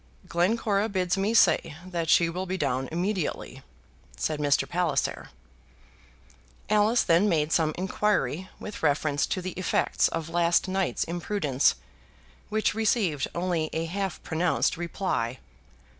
"Glencora bids me say that she will be down immediately," said Mr. Palliser. Alice then made some inquiry with reference to the effects of last night's imprudence, which received only a half pronounced reply.